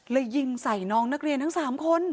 ยิงใส่น้องนักเรียนทั้ง๓คน